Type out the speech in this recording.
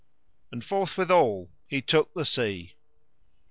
And forthwithal he took the sea.